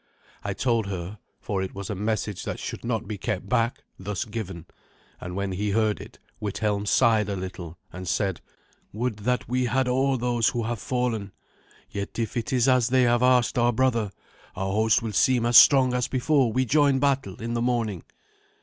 I told her, for it was a message that should not be kept back, thus given; and when he heard it, Withelm sighed a little, and said, "Would that we had all those who have fallen. Yet if it is as they have asked our brother, our host will seem as strong as before we joined battle in the morning.